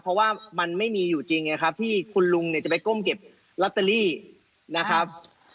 เพราะว่ามันไม่มีอยู่จริงไงครับที่คุณลุงเนี่ยจะไปก้มเก็บลอตเตอรี่นะครับ